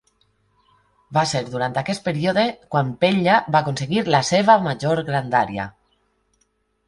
Va ser durant aquest període quan Pella va aconseguir la seva major grandària.